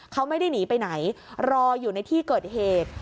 เขาไม่ได้หนีไปไหนรออยู่ในที่เกิดเหตุ